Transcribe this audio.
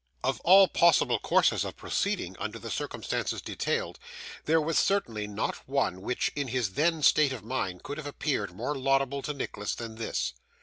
Of all possible courses of proceeding under the circumstances detailed, there was certainly not one which, in his then state of mind, could have appeared more laudable to Nicholas than this.